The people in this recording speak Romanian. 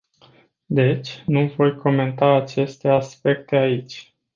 Deci, nu voi comenta aceste aspecte aici.